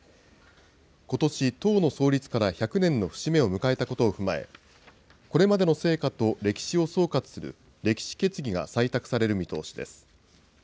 ことし、党の創立から１００年の節目を迎えたことを踏まえ、これまでの成果と歴史を総括する歴史決議が採択される見通しです。